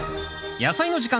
「やさいの時間」